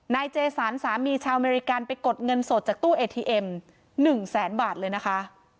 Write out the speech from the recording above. นายเจสันสามีชาวอเมริกันไปกดเงินสดจากตู้เอทีเอ็ม๑แสนบาทเลยนะคะ